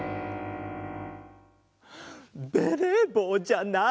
ベレーぼうじゃない！